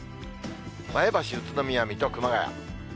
前橋、宇都宮、水戸、熊谷。